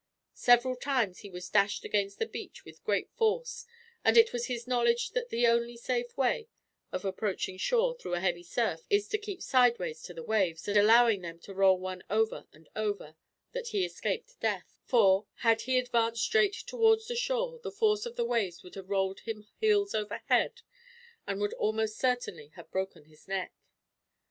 Several times he was dashed against the beach with great force, and it was his knowledge that the only safe way of approaching shore, through a heavy surf, is to keep sideways to the waves, and allow them to roll one over and over, that he escaped death for, had he advanced straight towards the shore, the force of the waves would have rolled him heels over head, and would almost certainly have broken his neck.